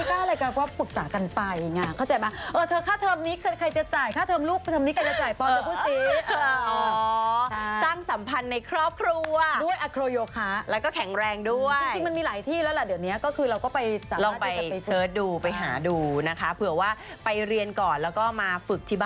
ค่าอะไรกันก็ปรึกษากันไปง่ะเข้าใจมั้ยค่าเทอมนี้ใครจะจ่ายค่าเทอมลูกใครจะจ่ายปอนด์จะพูดซิ